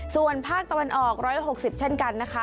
ส่วนภาคตะวันออก๑๖๐เช่นกันนะคะ